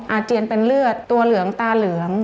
อาเจียนเป็นเลือดตัวเหลืองตาเหลือง